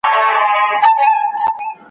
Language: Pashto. ټولنې د بدخورۍ ستونزو سره مخامخېږي.